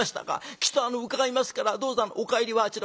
きっと伺いますからどうぞお帰りはあちら。